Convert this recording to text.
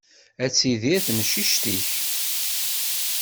Ad tidir temcict-ik.